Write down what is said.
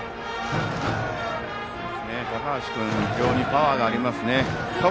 高橋君、非常にパワーがありますね。